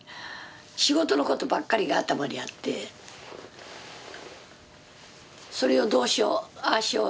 仕事のことばっかりが頭にあってそれをどうしようああしよう